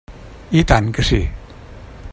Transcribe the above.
I tant que sí!